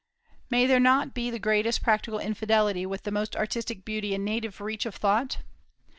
May there not be the greatest practical infidelity with the most artistic beauty and native reach of thought?